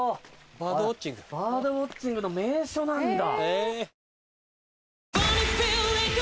バードウオッチングの名所なんだ。